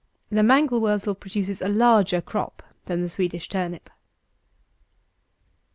The mangel wurzel produces a larger crop than the Swedish turnip.